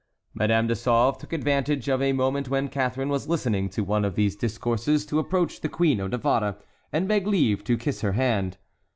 Madame de Sauve took advantage of a moment when Catharine was listening to one of the discourses to approach the Queen of Navarre, and beg leave to kiss her hand.